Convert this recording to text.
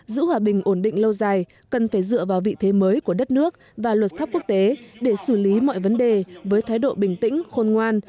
giữ hòa bình ổn định lâu dài cần phải dựa vào vị thế mới của đất nước và luật pháp quốc tế để xử lý mọi vấn đề với thái độ bình tĩnh khôn ngoan